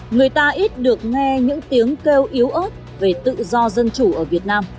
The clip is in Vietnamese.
người ta ít được nghe những tiếng kêu yếu ớt về tự do dân chủ ở việt nam